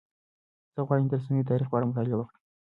زه غواړم چې د رسنیو د تاریخ په اړه مطالعه وکړم.